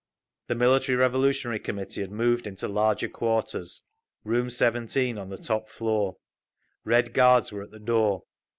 … The Military Revolutionary Committee had moved into larger quarters, room 17 on the top floor. Red Guards were at the door.